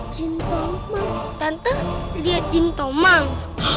jinn tomang tante liat jinn tomang